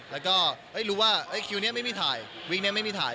แล้วก็รู้ว่าคิวนี้ไม่มีถ่ายวิกนี้ไม่มีถ่าย